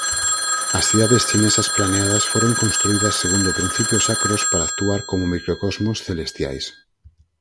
As cidades chinesas planeadas foron construídas segundo principios sacros para actuar como microcosmos celestiais.